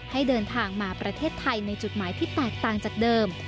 ให้เดินทางมาประเทศไทยในจุดหมายที่แตกต่างจากเดิม